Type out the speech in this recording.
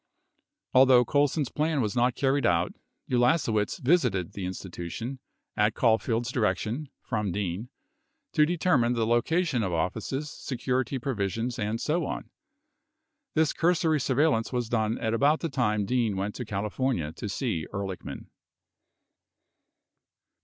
38 Although Colson's plan was not carried out, Ulasewicz visited the Institution, at Caulfield's direction (from Dean) to determine the loca tion of offices, security provisions, and so on. 39 This cursory surveil lance was done at about the time Dean went to California to see Ehrlichman.